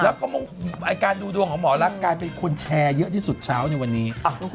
แล้วก็การดูดวงของหมอรักกลายเป็นคนแชร์เยอะที่สุดเช้าในวันนี้